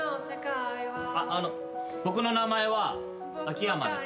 あっあの僕の名前は秋山です。